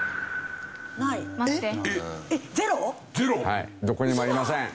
はいどこにもありません。